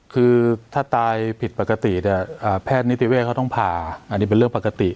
คือถ้าตายผิดปกติเนี่ยแพทย์นิติเวศเขาต้องผ่าอันนี้เป็นเรื่องปกติ